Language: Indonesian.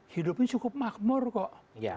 hidupnya cukup makmur kok